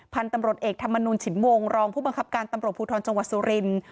พันธุ์ตำรวจเอกธรรมนูลฉิมวงรองผู้บังคับการตำรวจภูทรจังหวัดสุรินทร์